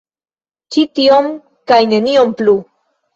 Ĉi tion kaj nenion plu!